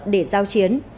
để giao chiến